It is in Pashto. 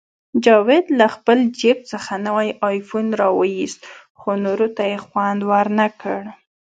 جاوید له خپل جیب څخه نوی آیفون راوویست، خو نورو ته یې خوند ورنکړ